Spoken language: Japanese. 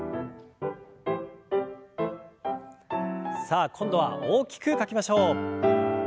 さあ今度は大きく書きましょう。